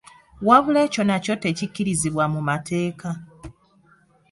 Wabula ekyo nakyo tekikkirizibwa mu mateeka.